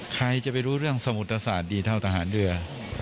ใครจะไปรู้เรื่องสมุทรศาสตร์ดีเท่าทหารเรือ